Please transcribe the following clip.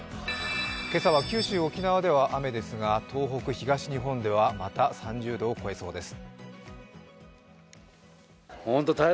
今朝は九州、沖縄では雨ですが東北、東日本では、また３０度を超えそうです。